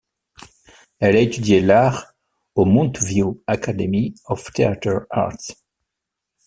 Elle a étudié l'art au Mountview Academy of Theatre Arts.